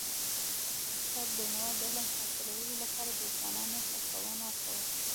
استاد بينوا د علم حاصلولو لپاره د ځوانانو هڅونه کوله.